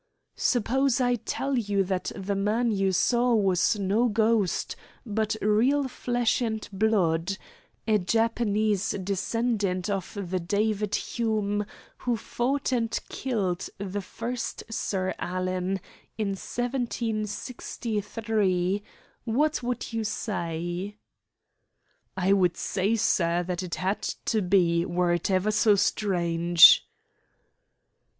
"Suppose I tell you that the man you saw was no ghost, but real flesh and blood, a Japanese descendant of the David Hume who fought and killed the first Sir Alan in 1763, what would you say?" "I would say, sir, that it had to be, were it ever so strange."